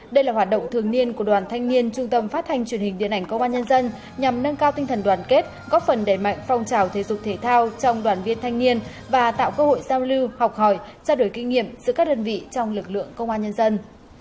đây là hoạt động thường niên của đoàn thanh niên trung tâm phát thanh truyền hình điện ảnh công an nhân dân nhằm nâng cao tinh thần đoàn kết góp phần đẩy mạnh phong trào thể dục thể thao trong đoàn viên thanh niên và tạo cơ hội giao lưu học hỏi trao đổi kinh nghiệm giữa các đơn vị trong lực lượng công an nhân dân